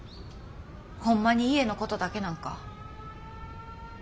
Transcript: ホンマに家のことだけなんか？